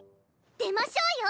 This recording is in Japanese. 出ましょうよ！